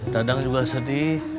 dadah juga sedih